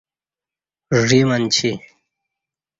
ژ ی منچی